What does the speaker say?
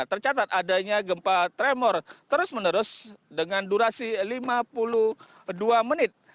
tercatat adanya gempa tremor terus menerus dengan durasi lima puluh dua menit